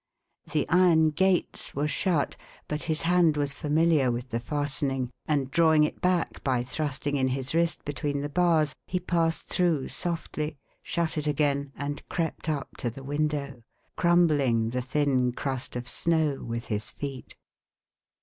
The iron gates were shut, but his hand was familiar with the fastening, and drawing it back by thrusting in his wrist between the bars, he passed through softly, shut it again, and crept up to the window, crumbling the thin crust of snow with his feet.